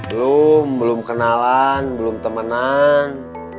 belum belum kenalan belum temenan